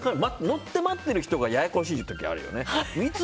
乗って待ってる人がややこしい時あるよね。